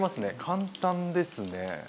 簡単ですね。